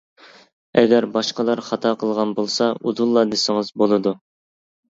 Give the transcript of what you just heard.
ئەگەر باشقىلار خاتا قىلغان بولسا ئۇدۇللا دېسىڭىز بولىدۇ.